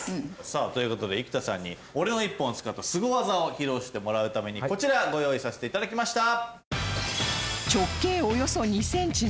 さあという事で生田さんに俺の１本を使ったスゴ技を披露してもらうためにこちらご用意させて頂きました。